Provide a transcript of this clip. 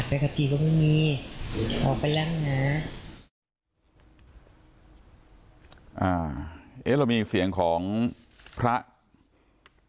เขาจะเชื่อมันไหมสังคมจะเชื่อมันในการทำงานของคุณไหม